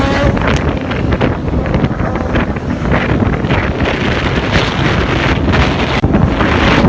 เมื่อเกิดขึ้นมันกลายเป้าหมายเป้าหมายเป้าหมาย